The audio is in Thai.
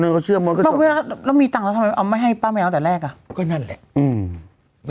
นางก็เชื่อมพนธ์ก็จบ